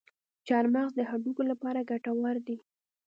چارمغز د هډوکو لپاره ګټور دی.